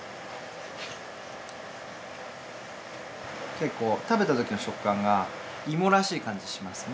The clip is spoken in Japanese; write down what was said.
結構食べたときの食感が芋らしい感じしますね。